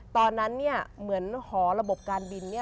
ตอนนั้นเหมือนหอระบบการบิน